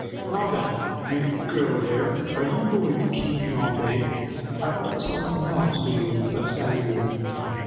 'Now then, you gyurl there! Are you goin' to keep me all d'y? I've got somethink else to do but stand 'ere.